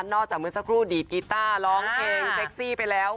จากเมื่อสักครู่ดีดกีต้าร้องเพลงเซ็กซี่ไปแล้ว